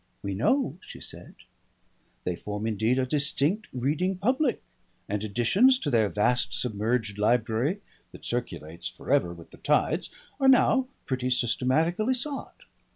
"We know," she said. They form indeed a distinct reading public, and additions to their vast submerged library that circulates forever with the tides, are now pretty systematically sought.